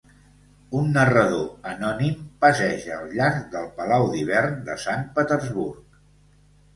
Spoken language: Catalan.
Un narrador anònim passeja al llarg del Palau d'Hivern de Sant Petersburg.